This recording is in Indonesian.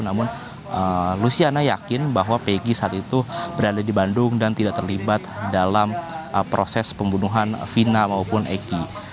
namun luciana yakin bahwa pg saat itu berada di bandung dan tidak terlibat dalam proses pembunuhan vina maupun egy